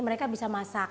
mereka bisa masak